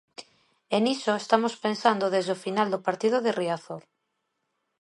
E niso estamos pensando desde o final do partido de Riazor.